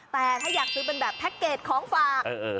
แต่ถ้าอยากซื้อเป็นแบบแพ็คเกจของฝาก